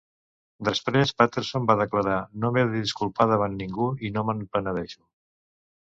Després, Patterson va declarar: "No m'he de disculpar davant de ningú i no me'n penedeixo".